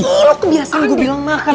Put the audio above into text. ih lo kebiasaan gue bilang makan